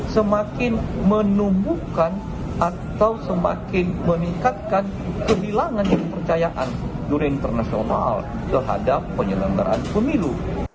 semakin menumbuhkan atau semakin meningkatkan kehilangan kepercayaan juri internasional terhadap penyelenggaraan pemilu